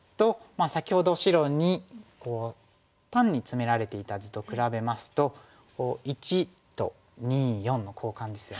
先ほど白に単にツメられていた図と比べますと①と②④の交換ですよね。